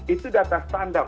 itu data standar